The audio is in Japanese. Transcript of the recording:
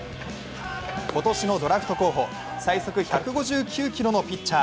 今年のドラフト候補、最速１５９キロのピッチャー